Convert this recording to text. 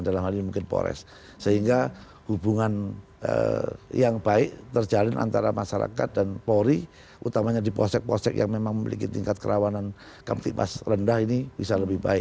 dalam hal ini mungkin polres sehingga hubungan yang baik terjalin antara masyarakat dan polri utamanya di polsek polsek yang memang memiliki tingkat kerawanan kamtipas rendah ini bisa lebih baik